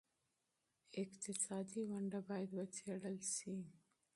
اقتصادي ونډه باید وڅېړل شي.